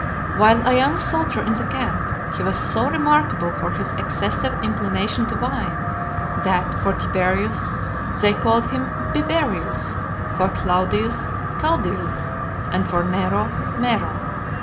While a young soldier in the camp, he was so remarkable for his excessive inclination to wine, that, for Tiberius, they called him Biberius; for Claudius, Caldius; and for Nero, Mero.